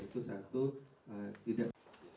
itu satu tidak